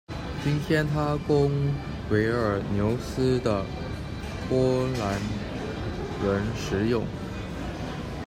今天它供维尔纽斯的波兰人使用。